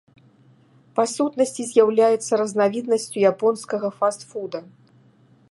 Па сутнасці з'яўляецца разнавіднасцю японскага фаст-фуда.